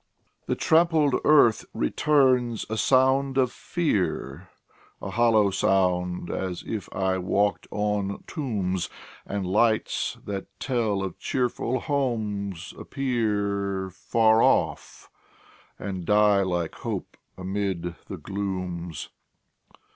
The trampled earth returns a sound of fear A hollow sound, as if I walked on tombs! And lights, that tell of cheerful homes, appear Far off, and die like hope amid the glooms.